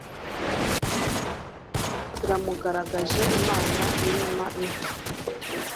Iramugaragaje Imana irema inka